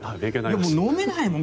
でも飲めないもん